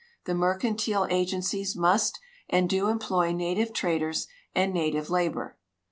The mercantile agencies must and do employ native traders and native labor.